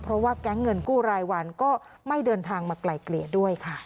เพราะว่าแก๊งเงินกู้รายวันก็ไม่เดินทางมาไกลเกลี่ยด้วยค่ะ